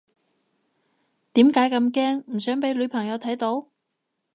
點解咁驚唔想俾女朋友睇到？